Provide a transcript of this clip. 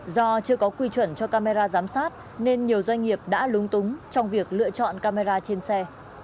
do chưa có quy chuẩn cho camera giám sát nên nhiều doanh nghiệp đã lúng túng trong việc lựa chọn camera trên xe